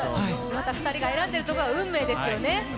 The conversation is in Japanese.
２人が選んでるところは運命ですね。